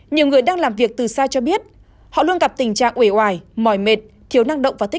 nhiều người đang làm việc từ xa cho biết họ luôn gặp tình trạng ủi hoài mỏi mệt